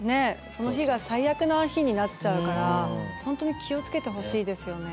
その日が最悪な日になっちゃうから本当に気を付けてほしいですよね。